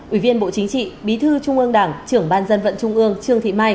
ubnd bí thư trung ương đảng trưởng ban dân vận trung ương trương thị mai